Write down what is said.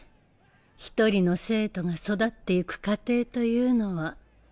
一人の生徒が育っていく過程というのは。